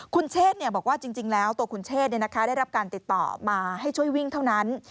คุณเชษบอกว่าจริงแล้วตัวคุณเชษได้รับการติดต่อมาให้ช่วยวิ่งเท่านั้น